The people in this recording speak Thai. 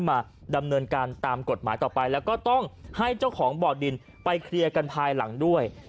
มาดำเนินการตามกฎหมายต่อไปแล้วก็ต้องให้เจ้าของบ่อดินไปเคลียร์กันภายหลังด้วย